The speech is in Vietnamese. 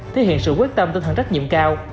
thể hiện sự quyết tâm tinh thần trách nhiệm cao